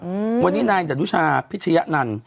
อืมวันนี้นายดรุชาพิชยะนันต์